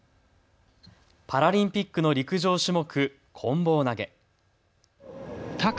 パラリンピックの陸上種目、こん棒投げ。